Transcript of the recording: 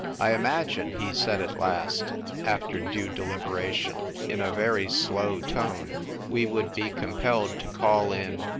" I imagine," he said at last, after due deliberation, in a very slow tone, "we would be compelled to call in